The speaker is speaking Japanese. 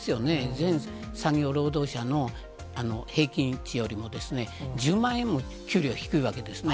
全産業労働者の平均値よりも１０万円も給料が低いわけですね。